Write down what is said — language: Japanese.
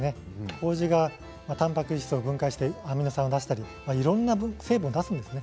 こうじがたんぱく質を分解してアミノ酸を出したりいろんな成分を出すんですね。